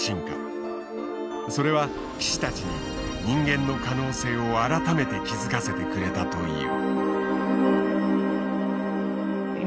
それは棋士たちに人間の可能性を改めて気付かせてくれたという。